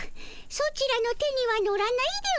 ソチらの手には乗らないでおじゃる。